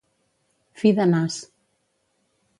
Fi de nas.